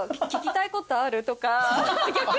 逆に。